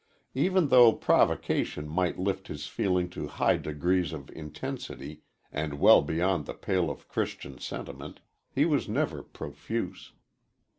Even though provocation might lift his feeling to high degrees of intensity, and well beyond the pale of Christian sentiment, he was never profuse.